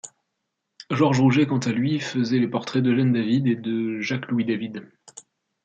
Georges Rouget quant à lui, faisait les portraits d'Eugène David, et de Jacques-Louis David.